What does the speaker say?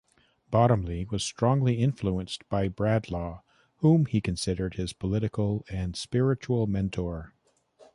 Bottomley was strongly influenced by Bradlaugh, whom he considered his political and spiritual mentor.